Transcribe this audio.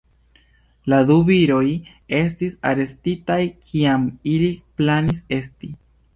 La du viroj estis arestitaj, kiam ili planis esti.